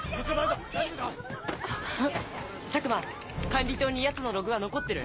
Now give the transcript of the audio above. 佐久間管理棟に奴のログは残ってる？